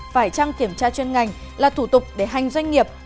phải trăng kiểm tra chuyên ngành là thủ tục để hành doanh nghiệp